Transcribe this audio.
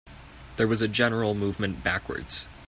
There was a general movement backwards.